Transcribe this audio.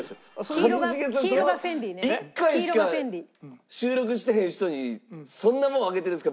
一茂さんその１回しか収録してへん人にそんなものあげてるんですか。